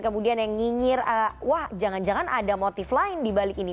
kemudian yang nyinyir wah jangan jangan ada motif lain dibalik ini